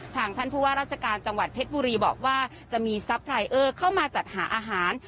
ท่านผู้ว่าราชการจังหวัดเพชรบุรีบอกว่าจะมีซัพรายเออร์เข้ามาจัดหาอาหาร